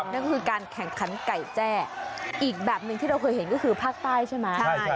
นั่นก็คือการแข่งขันไก่แจ้อีกแบบหนึ่งที่เราเคยเห็นก็คือภาคใต้ใช่ไหม